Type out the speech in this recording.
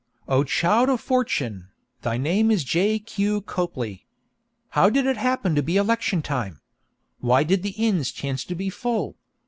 O child of fortune, thy name is J. Q. Copley! How did it happen to be election time? Why did the inns chance to be full?